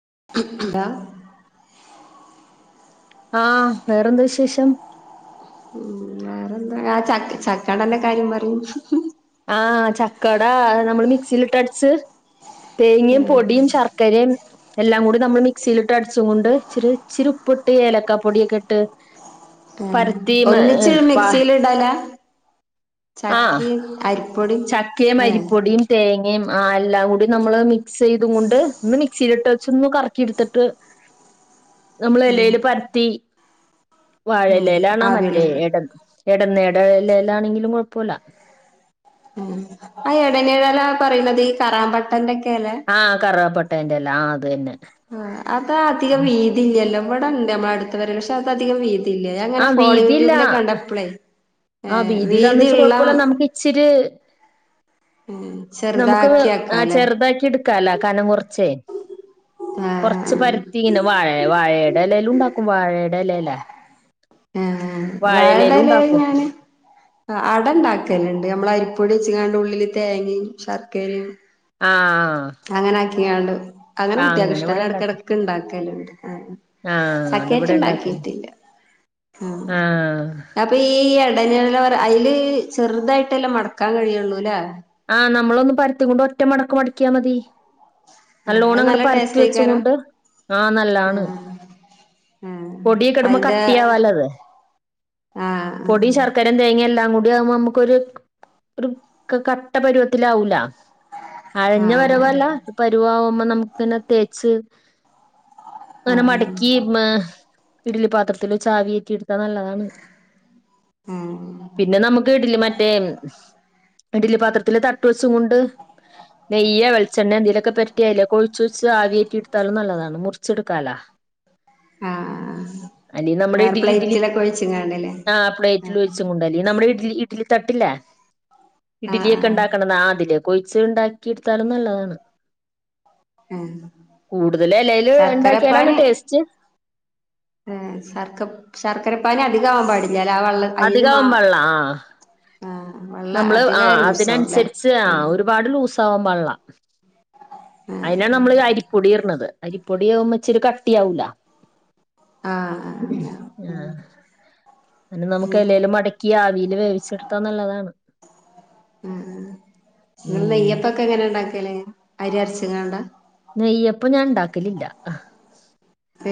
[inaudible] ആ വേറെന്ത് വിശേഷം ഉ വേറെന്താ ആ ച ചക്കണല്ല കാര്യം പറയും ആ ചക്കട നമ്മള് മിക്സിയിലിട്ടടിച്ച് തേങ്ങയും ഏഹ് പൊടിയും ശർ ക്കരയും എല്ലാം കൂടി നമ്മൾ മിക്സിയിലിട്ട് അടിച്ചും കൊണ്ട് ച്ചിരി ച്ചിരി ഉപ്പിട്ട് ഏലക്കാ പൊടിയൊക്കെ ഇട്ട് ഏഹ് പരത്തി ഒന്നിച്ച് വാ മിക്സിൽ ഇടാനാ ആഹ് ചക്കയും അരിപ് ചക്കയും അരിപ്പൊടിയും തേങ്ങ് യും എല്ലാം കൂടി നമ്മള് മിക്സ് ചെയ്തും കൊണ്ട് ഒന്ന് മിക്സിയിലിട്ട് വെച്ച് ഒന്ന് കറക്കി എടുത്തിട്ട് നമ്മള് എലെല് പരത്തി ഉം വാഴലേലാണാ മറ്റേ ആവിളിക്കും ട എടന്ന്ട ഴെലെലാണെങ്കിലും കുഴപ്പമില്ല ഉ ആ എടനഴല്ലാ പറയുന്നത് ഈ കറാമ്പട്ടന്റെ ആഹ് കറവാപ്പൊട്ടേന്റെലാ ആ അതന്നെ ആ അത് അധികം വീതി ഇല്ലല്ലോ ഇവിടെണ്ട് നമ്മ അടുത്ത് വരെ പക്ഷെ അത് അധികം വീതി ല്ല ആ അങ്ങനെ വീതിയില്ല ഫോളിങ്ട്യൂബിലൊക്കെ കണ്ടപ്പളേ ആ ഏഹ് വീതിയിലാന്ന് വച്ച് വീതിയുള്ള കൊഴപ്പമില്ല നമുക്ക് ഇച്ചിരി ഉം നമുക്ക് ചെറുതാക്കി ആ ആക്കാല്ലേ ചെറുതാക്കി എടുക്കാലാ കനം കുറച്ചേ കൊറച്ച് ആഹ് പരുത്തിനെ വാഴ വാഴയുടെ ഇലയിലും ഉണ്ടാക്കും വാഴയുടെ ലല്ലേ ആ വാഴെടെലേൽ ഞാന് അട ഉണ്ടാക്കലണ്ട് നമ്മള് അരിപ്പൊടി വച് [unintelligible] ഉള്ളില് തേങ്ങയും ശർക്കരയും ആഹ് അങ്ങനാക്കിയാണ്ട് അങ്ങനെ ആഹ് കുട്ടികക്ക് ഇഷ്ടാണ് ഇവിടെ ഇണ്ടാക്കല് ഇടക്കിടക്ക് ഇണ്ടാക്കലുണ്ട്. ആഹ് ചക്കേച്ച് അതിവിടെ ഇണ്ടാക്കല് ഉണ്ടാക്കിട്ടില്ല ആഹ് അപ്പൊ ഈ യട് [unintelligible] അതില് ചെറുതായിട്ട് അല്ലെ മടക്കാൻ കഴിയള്ളൂല്ലേ. ആഹ് നമ്മളൊന്ന് പരത്തി കൊണ്ട് ഒറ്റ മടക്ക് മടക്കിയാ മതി. ആഹ് നല്ലോണം അത് അങ്ങടെ നല്ല പരത്തി ടേസ്റ്റ് വെച്ചും ആയിക്കാരം കൊണ്ട് ആ നല്ലാണ് ആഹ് ആഹ് പൊടിയൊക്കെ ഇട്മ്പം അയിന്റെ കട്ടിയാവല്ലത് ആഹ് പൊടിയും ശർക്കരയും തേങ്ങ എല്ലാം കൂടെ [unintelligible] ആകുമ്പോ നമക്ക് ഒരു ഒരു ക കട്ട പരുവത്തില് ആവൂലോ. ആഹ് അഴഞ്ഞ ആഹ് പരുവല്ല പരുവവാവുമ്പോ നമുക്ക് തന്നെ തേച്ച് അങ്ങനെ ആഹ് മടക്കി മ് ഇഡലി പാത്രത്തിവച്ച് അവികയറ്റിഎടുത്താ നല്ലതാണ്. ആഹ് പിന്നെ നമ്മുക്ക് ഡലി മറ്റേം ഇഡലി പാത്രത്തിലെ തട്ടുവച്ചും കൊണ്ട് നെയ്യ് വെളിച്ചെണ്ണെയോ എന്തേലൊക്കെ പെരട്ടി അതിലേക്കൊഴിച്ചേച്ച് ആവിയേറ്റി എടുത്താല് നല്ലതാണ് മുറിച്ചെടുക്കാലാ. ആഹ് വേറെ പ്ലേറ്റില് ഒക്കെ വെച്ചും ങ്ങാണ്ട് അല്ലേ? ആഹ് പ്ലേറ്റില് ഒഴിച്ചും കൊണ്ടാല്ലി നമ്മുടെ ഇഡലി ഇഡ്ലി തട്ടില്ലേ? ഇഡിലി ആഹ് ഒക്കെണ്ടാക്കണത് ആതിലേക്ക് ഒയിച്ച് ഇണ്ടാക്കി എടുത്താലും നല്ലതാണ്. ആഹ് കൂടുതല് എലേല് ഇണ്ടാക്കിയാല് ആണ് ശർക്കരപ്പാനി ടേസ്റ്റ്. ഏഹ് ശർക്ക ശർക്കരപ്പാനി അധികം ആവാൻ പാടി എല വെള്ളൻ അയ്യല് മാ അധികാവാൻ പാടില്ല ആ ആഹ് വെള്ള നമ്മള് ആ അധികായ അതിന് ലൂസാവുംല്ലേ അനുസരിച്ച് ആ ആഹ് ഒരുപാട് ലൂസ് ആവാൻ പാൾല്ല അയിനാ നമ്മള് അരിപ്പൊടി ഇർണത്. അരിപ്പൊടിയമ്പം ഇച്ചിരി കട്ടി ആവൂല ആഹ് ആഹ് ആഹ് അങ്ങനെ ആ ഉം പിന്നെ നമുക്ക് ഉം എലേല് മടക്കി ആവി ല് വേവിച്ച് എടുത്താ നല്ലതാണ് നിങ്ങള് ഉം നെയ്യപ്പം ഒക്കെ എങ്ങനെ എണ്ടാക്കല്ല് അരി അരച്ചും ങ്ങാണ്ട. നെയ്യപ്പം ഞാൻ ഉണ്ടാക്കലില്ല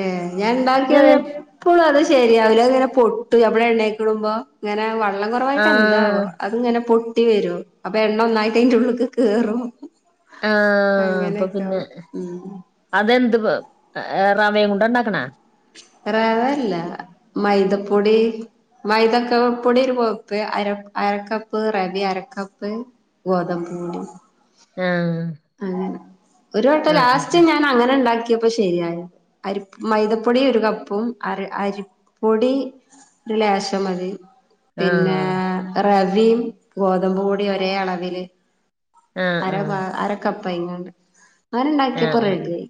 ഏഹ് ഞാൻ ണ്ടാക്കിയത് എപ്പോളു അത് ശ ശരിയാവില്ല അത് ഇങ്ങനെ പൊട്ടും അപ്പഴേ എണ്ണക്കിടുമ്പോ ഇങ്ങനെ വള വെള്ളം കൊറവായിട്ട് എന്താവോ അത് ഇങ്ങനെ പൊട്ടി വെരും അപ്പൊ എണ്ണൊന്നായിട്ട് അതിന്റെ ഉള്ളിക്ക് കേറും ആഹ് അപ്പ അങ്ങനെയൊക്കെ പിന്നെ ആവും. ഉം അത് എന്ത് ആ റവേം കൊണ്ട് ഒണ്ടാക്കണ? റവ അല്ല മൈദപ്പൊടി മൈതക്കപൊടി ഒരു പോപ്പ് അര അരക്കപ്പ് റവേ അരക്കപ്പ് ഗോതമ്പുപൊടി ആഹ് ആഹ് ഒരു വട്ടം ആഹ് ലാസ്റ്റ് ഞാൻ അങ്ങനെ ഉണ്ടാക്കി ക്കിയപ്പോ ശരിയ അരി മൈദപ്പൊടി ഒരു കപ്പും അര അരിപ്പൊടി ഒരു ലേശം മതി- പിന്നെ ആഹ് റവയും ഗോതമ്പ് പൊടിയും ഒരേ അളവില് ആഹ് അര ബാ ആഹ് അരക്കപ്പ് ഇങ്ങാണ്ട് ആരിണ്ടാക്കിയപ്പോ ആഹ് ആഹ് റെഡി ആയി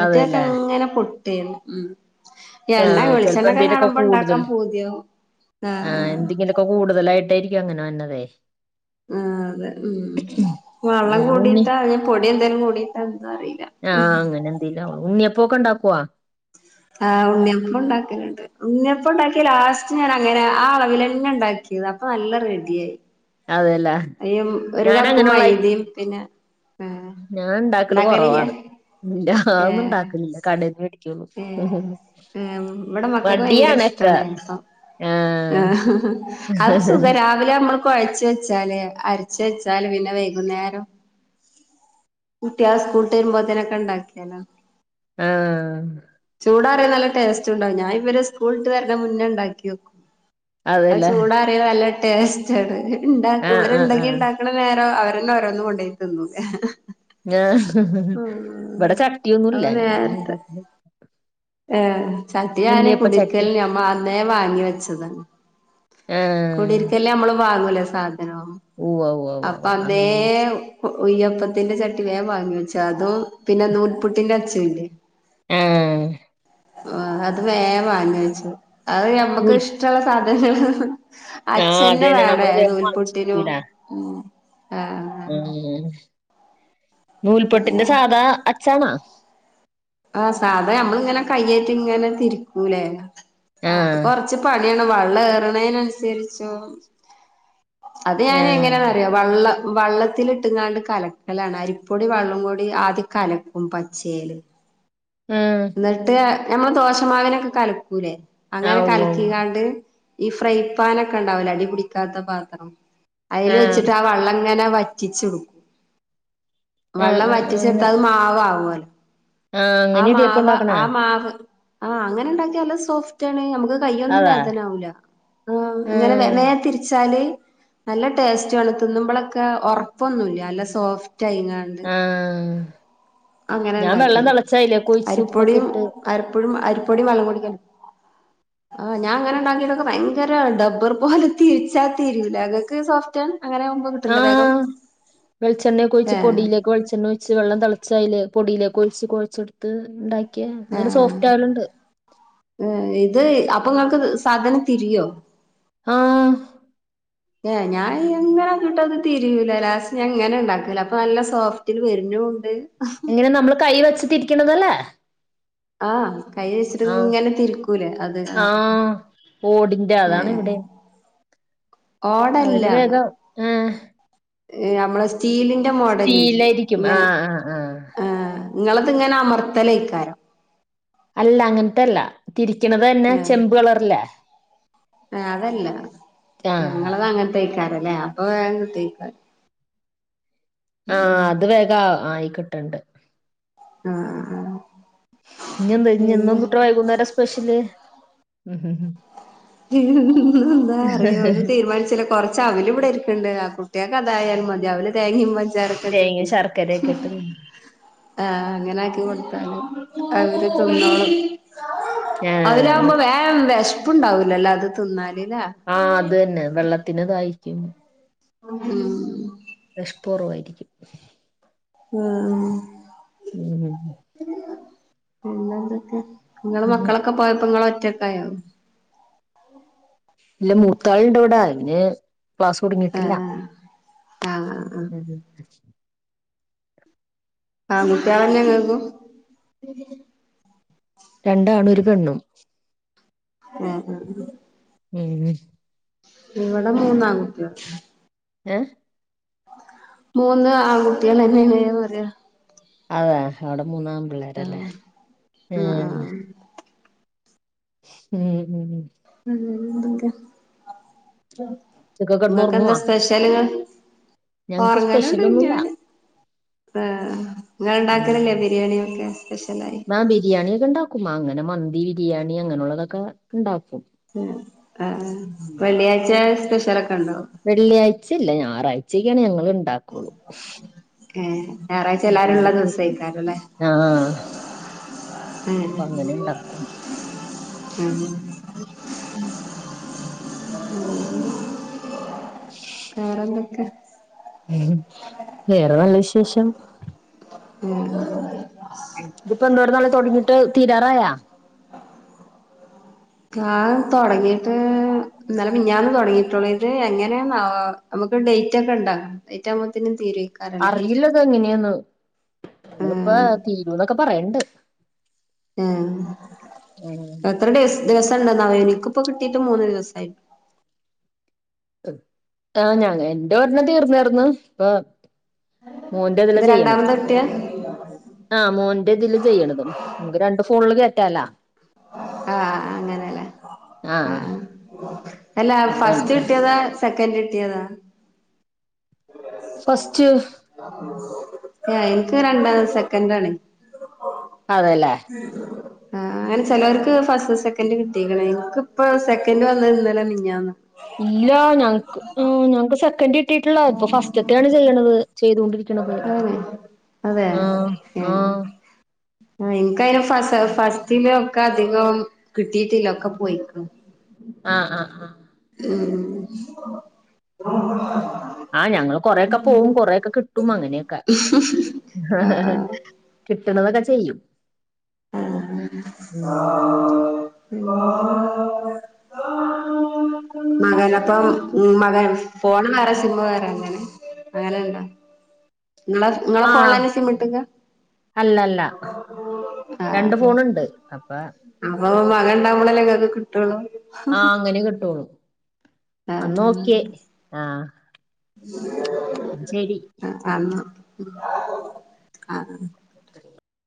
മറ്റേത് ഒക്കെ അതെല്ലേ അങ്ങനെ പൊട്ടിയേനെ ഉം എണ്ണ ആഹ് ചെലപ്പോ വെളിച്ചെണ്ണ ഒക്കെ എന്തേലൊക്കെ കാണുമ്പോ കൂടുതൽ ഇണ്ടാക്കാൻ പൂതിയാവും. ആഹ് എന്തെങ്കിലും ഒക്കെ കൂടുതല് ആയിട്ട് ആയിരിക്കും അങ്ങനെ വന്നതെ ആഹ് അതെ ഉം വെള്ളം ഉണ്ണി കൂടിട്ടാ അ പൊടി എന്തേലും കൂടിട്ടാ എന്താ അറിയില്ല ഉം ആഹ് അങ്ങനെ എന്തേലും അവൊള്ളൂ ഉണ്ണി അപ്പം ഒക്കെ ഉണ്ടാക്കുവ? ആഹ് ഉണ്ണിയപ്പം ഉണ്ടാക്കലണ്ട് ഉണ്ണിയപ്പം ഒണ്ടാക്കി ലാസ്റ്റ് ഞാൻ അങ്ങനെ ആഹ് അളവിൽ അന്നെ ഒണ്ടാക്കി അപ്പൊ നല്ല റെഡിയായി അതെല്ലേ അരിയും ഒരു ഞാൻ കപ്പ് അങ്ങനെയുള്ള മൈദയും പിന്നെ ഏഹ് ഞാൻ ഇണ്ടാക്കല് ഉണ്ടാക്കലില്ല കൊറവാണ് ഇല്ല ഒന്നും ഏഹ് ഇണ്ടാക്കലില്ല കടേന്ന് മേടിക്കും ഏഹ് ചോറും ഏഹ് ഇവിടെ മക്കൾക്ക് ഭയങ്കര ഇഷ്ടാണ് ആഹ് അത് സുഖ രാവിലെ നമ്മൾ കുഴ ച്ച് വെച്ചാല് അരച്ച് വെച്ചാല് പിന്നെ വൈകുന്നേരം കുട്ട്യാള് സ്കൂൾട്ട് വരുമ്പോത്തനെക്കെണ്ടാക്കിയാലോ ആഹ് ചൂടാറിയ നല്ല ടേസ്റ്റ് ഉണ്ടാവും ഞാൻ ഇവര് സ്കൂളിട്ട് വരുന്ന മുന്നേ ഉണ്ടാക്കി വെക്കും അത് അതെല്ലേ ചൂടറിയ നല്ല ടേസ്റ്റാണ് ആഹ് ഇവര് ആഹ് ഇണ്ടെങ്കി ആഹ് ഉണ്ടാക്കണ നേരം അപ്പന്നെ ഓരോന്ന് കൊണ്ടോയി തിന്നും ആഹ് ഇവിടെ ഉം അപ്പൊ ചക്കയൊന്നുല്ല നേരത്തെ ഏഹ് ചട്ടി ഞാനെ കുടരിക്കല്ന് ഞമ്മള് അന്നേ വാങ്ങി വെച്ചത ആഹ് കുടിരിക്കല്ന് നമ്മള് വാങ്ങുലെ ഉവ്വ ഉവ്വ ഉവ്വ അപ്പൊ ഉവ്വ അന്നേ അങ്ങനെ കു കുയ്യപ്പത്തിന്റെ ചട്ടി വേഗം വാങ്ങി വെച്ച് അതും പിന്നെ നൂൽപുട്ടിന്റെ അച്ചും ഇല്ലേ ആഹ അത് വേംന്ന് വെച്ചു അത് മ്മക്ക് നൂൽ ഇഷ്ടമുള്ള സാധനങ്ങ ആഹ് അച്ഛനെ അതന്നെ വേണേ നമ്മള് വേഗം തൂൽപുട്ടിനും ഉ ആ ഉ പിന്നെ നൂൽപൊട്ടിന്റെ സാധാ അഛാണാ ആഹ സാധാ നമ്മളിങ്ങനെ കയ്യേറ്റ് ഇങ്ങനെ തിരിക്കൂലേ അത് ആഹ് കൊറച്ച് പ അങ്ങനാണ് വെള്ളം റണനനുസരിച്ചോ അത് ഞാൻ ആഹ് എങ്ങനെയണ അറിയ വെള്ളം വള്ളത്തിിട്ടുംങ്ങാണ്ട് കലക്കലാണ് ആരിപ്പൊടി വള്ളം കൂടി ആദ്യ കലക്കും പച്ചൽ ആഹ് എന്നിട്ട് ഞമ്മൾ ദോഷമാവിനൊക്കെ കലക്കൂലേ അങ്ങനെ ആഹ് ഉവ്വ ഉവ്വ കലക്കിങ്ങാണ്ട് ഈ ഫ്രൈ പൻൊക്കെ ഉണ്ടാവൂല അടിപടിക്കാത്ത പാത്രം അതിൽ ആഹ് വെച്ചിട്ട് ആ വെള്ളം ഇങ്ങനെ വറ്റിച്ചടുക്കും ആഹ് വെള്ളം ആഹ് വറ്റിച്ചെടുത്ത അങ്ങനെ അത് മാവ് ആവല്ലെ ആഹ് ആ അങ്ങനെ ഇടിയപ്പം മാവ് ഉണ്ടാക്കണ ആ മാവ് ആഹ അങ്ങനെ ഉണ്ടാക്കിയ നല്ല സോഫ്റ്റ് ആണ് നമുക്ക് കയൊന്നും അതാ വേദനാവൂില്ല ഇങ്ങനെ ആഹ് വനയെ തിരിച്ചാല് നല്ല ടേസ്റ്റ് ആാണ് തിന്നുമ്പോളൊക്കെ ഉറപ്പൊന്നുമല്ല നല്ല സോഫ്റ്റ് ആയിങ്ങാണ്ട് ആഹ അങ്ങനെ ഉണ്ടാത്തില് ഒഴിച്ച് ഉപ്പൊക്കെ അരിപ്പൊടും ഇട്ട് അരിപ്പഴും അരിപ്പൊടി മളം കുടിക്കണ്ട് ആ ഞാൻ അങ്ങനെ ഉണ്ടാക്കിട്ടൊക്കെ ഭയങ്കര ഡബ്ബർ പോലെ തിരിച്ചാത്തിരില അതൊക്ക് സോഫ്റ്റ്ണ് ആഹ വെളിച്ചെണ്ണയൊക്കെ ഒഴച്ച് പൊടിയിലേക്ക്െ വെളിച്ചെണ്ണ ഒഴിച്ച് വെള്ളം തിളച്ചല് പൊടിയിലേക്കെ ഒഴിച്ച് കൊഴച്ച്െടുത്ത് ഉണ്ടാക്കിയ അന്നര സോഫ്റ്റ് ആയാലണ്ട് അത് അപ്പൊ ക്ക് സാധനം തിരിയോ ആഹ ഏ ഞാൻ എങ്ങനെോട്ട് അത് തിരിൂല ലാസ് എങ്ങനെ ഉണ്ടാക്കല അപ്പൊ നല്ല സോഫ്റ്റില് വ ഉണ്ട് എങ്ങനെ നമ്മള് കൈ വെച്ചിത്തിരിക്കണതല്ലേ ആഹ കൈച്ചട്ട ഇങ്ങനെ തിരുക്കൂല അത് ആ ആഹ് ഓടിന്റെ ഏ അതാണ് ഇവിടെ ഓടല്ല അതില് വേഗം ആഹ് നമ്മള സ്റ്റീലിന്റെ മോഡല ഇല്ലയേ സ്റ്റീലായിരിക്കും ഇങ്ങനെ ആഹ് ആഹ് ആഹ് ഹ നിങ്ങളത് ഇങ്ങനെ അമർത്തലയിക്കാരം അല്ല അങ്ങനത്തല്ല തിരിക്കണത് തന്നെ ചെമ്പ് കളറല്ലേ ആ അതല്ല ഞങ്ങളത് അങ്ങനത്തെഴക്കാറേ അല്ലെ അപ്പൊ വേറെ ക തേക്ക ആഹ അത് വേഗം ആയി കിട്ടണ്ട് ആഹ ഉ ഇനി എന്താ ഇന്നും കുിട്ട വൈകുന്നേരം സ്പെഷ്യല് ഉ ഉ എന്താ അറിയ ഒന്നന്ന് തീരുമാനിച്ചില്ല കൊറച്ച് അവല ഇവിടെ ഇരിക്കണ്ട് ആ കുട്ടിയക്കെ അതായാലും മതി അവല് തേങ്ങിമ്മഞ്ചാരക്കെ തേങ്ങ ഇട്ടിട്ട് ശർക്കരയൊക്കെ ഇട്ട് ആഹ അങ്ങനെ ആക്കി കൊടുത്താലും അവര് തൊന്നോളം ആ അതിലകുമ്പോ വേ വിഷപ്പുണ്ടാവൂലല്ലോ അത് തിന്നാല് ആഹ അത് തന്നെ വെള്ളത്തിന് കായിക്കൂ ഉം ബഷ്പൂറവായിരിക്കും ആഹ ഉം നിന്തൊക്കെ നിങ്ങളടെ മക്കളൊക്കെ പോയപ്പോ നിങ്ങള ക്കായോ ഇല്ല മൂത്താളിൻന്റെ കൂടൊയിെ ക്ലാസ് കുടുങ്ങിട്ടില്ല ആഹ് ആഹ് ആഹ് ആ മുുട്ടിയന്നെ കേൾക്കൂ രണ്ടാണ് ഒരു പെണ്ണും ഉഹ ഉ ഉ ഉ ഇവിടെ മൂന്നാംകുട്ടിയ ഏ മൂന്ന് ആൺകുട്ടിയാലന്നെ പറയാ അതാ അവിടെ മൂന്നാ പിള്ളേരല്ലേ ആഹ് ഉം ആഹ് ഉം ഉം ഉ നിങ്ങൾക്ക് ഇതൊക്കെ കിടന്ന് എന്താ ഉറങ്ങുവാ സ്പെഷ്യൽിങ്ങൾ ഞങ്ങക്ക് സ്പെഷ്യൽ ഒന്നുമില്ല പറങ്കാലോണ്ടന്നാന് ആ ഇങ്ങള് ഉണ്ടാക്കല് ഉം ല്ലേ ബിരിയാണിയ ഒക്കെ ആ ബിരിയാണിയ ഒക്കെ ഉണ്ടാക്കും അങ്ങനെ മന്തി ബിരിയാണി അങ്ങനെയുള്ളതൊക്കെ ഇ ണ്ടാക്കും. വെള്ളിയാഴ്ച സ്പെ വെള്ളിയാഴ്ച ഇല്ല ഞായറാഴ്ചക്കാണ് ഞങ്ങള് ഇണ്ടാക്കുള്ളൂ ഏ ഞായറാഴ്ച എല്ലാരും ഉള്ള ദിവസേക്കാരല്ലേ ആഹ് ഉം അപ്പൊ അങ്ങനെ ഉണ്ടാക്കും ഉം ഉം വേറെന്തൊക്കെ ഉം വേറെ നല്ല വിശേഷം ഉം ഇതിപ്പോ എന്തോര് നാള തുടങ്ങിട്ട് തീരാറായാ ആ തൊടങ്ങീട്ട് ഇന്നലെ മിഞ്ഞാന്ന് തൊടങ്ങിട്ടുള്ളൂ ഇത് എങ്ങനെയാണാവോ നമുക്ക് [unintelligible] അറിയില്ലത എങ്ങനെയന്ന് ഞങ്ങളി പ്പ ആഹ് തീരൂന്നൊക്കെ പറയണ്ട് ആ എത്ര ദിവ ദിവസംണ്ട എനിക്കിപ്പ കിട്ടിട്ട് മൂന്ന് ദിവസമായി ആഹ ഞാങ്ങ എന്റെ ഒരെണ്ണം തീർന്നരുന്നു മോന്റെ ഇതല്ല ഇത് ചെയ്യണത് രണ്ടാമതാ കിട്ടിയെ ആഹ മോന്റെ ഇതില് ചെയ്യണതുംക്ക് രണ്ടു ഫോണില് കയറ്റാലാ ആഹ അങ്ങനെല്ലേ ആ ആഹ് അല്ല അപ്പൊ ഫസ്റ്റ് എന്റെ കിട്ടിയതാ സെക്കൻഡ് കിട്ടിയതാ ഫസ്റ്റ് എനിക്ക് രണ്ട സെക്കൻഡ ആണ്. അതെല്ലേ [inaudible] ആ അങ്ങനെ ചെലവർക്ക് ഫസ്റ്റ് സെക്കൻഡ് കിട്ടീക്ക്ണ്. എന്കിപ്പോ സെക്കൻഡ് വന്ന ഇന്നല മിഞ്ഞാന്ന ഇല്ല ഞങ്ങക്ക് ഞങ്ങക്ക് സെക്കൻഡ കിട്ടിട്ടുള്ള ഇപ്പൊ ഫസ്റ്റത്തെയാണ് ചെയ്യണത് ചെയ്തൊണ്ടിരിക്കണത് അങ്ങനെ ആഹ ആഹ ആ ഇൻകയ്ൻ ഫസ ഫസ്റ്റിലൊക്കെ അധികം കിട്ടീട്ടില്ലൊക്കെ പോയി. ആഹ ആഹ് ആ ഉം ആഹ് ഞങ്ങള് കൊറെക്കെ പോ വും കൊറെക്കെ കിട്ടും അങ്ങനെക്കെ ആഹ് ആഹ ആഹ് കതൊക്കെ ചെയ്യും. ആഹ് [unintelligible] മകനപ്പം ഉം മകൻ ഫോണ് വേറെ സിമ്മ് വേറെ അങ്ങനെ അങ്ങനെ ണ്ടോ നിങ്ങളെ നിങ്ങളെ ഫോണില ആഹ് തന്നെ സിമ്മ് ട്ടക്ക അല്ലല്ല രണ്ട് ഫോണുണ്ട് അപ്പ അ മകൻ ഉണ്ടാവുമ്പളല്ലെ ഇങ്ങക്ക് കിട്ടുള്ളൂ ആഹ അങ്ങനെ കിട്ടോള്ളൂ അന്നാ ഓ ക്കേ ആഹ് ആഹ ശരി ആഹ [inaudible]